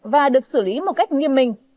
và được xử lý một cách nghiêm minh